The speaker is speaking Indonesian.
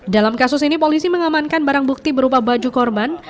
dalam kasus ini polisi mengamankan barang bukti berupa baju korban